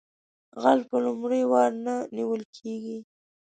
غل په لومړي وار نه نیول کیږي